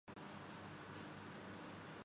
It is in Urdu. بہت نفاق ہو گا۔